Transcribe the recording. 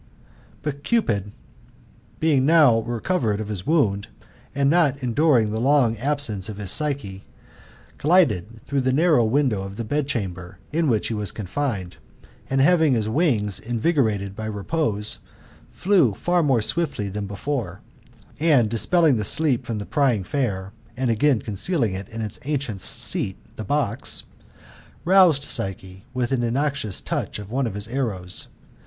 But Cupid, being now recovered of his wound, and not 98 THK lOBTAMOltPROSIS^ OR « enduring the long absence of his Psyche, glided through the narrow windows of his bedcliamber in which he was confined, aud having his wings invigorated by repose, flew far more swiftly than before; and dispelling the sleep from the prying fair, and again concealing it in its ancient seat, the box, roused Psyche with an innoxious touch of one of his arrows.